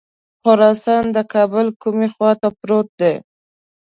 خراسان د کابل کومې خواته پروت دی.